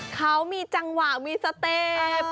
เขามีจังหวะมีสเตฟ